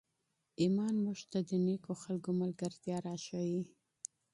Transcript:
ایمان موږ ته د نېکو خلکو ملګرتیا راښیي.